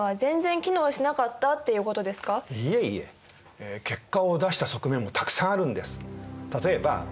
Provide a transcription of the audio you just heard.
結果を出した側面もたくさんあるんです。